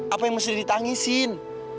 apa yang mesti ditangisin